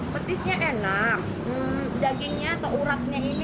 petisnya enak dagingnya atau uratnya ini